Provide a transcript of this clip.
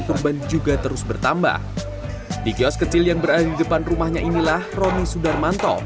korban juga terus bertambah di kios kecil yang berada di depan rumahnya inilah roni sudarmanto